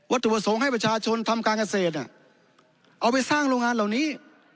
ถูกประสงค์ให้ประชาชนทำการเกษตรเอาไปสร้างโรงงานเหล่านี้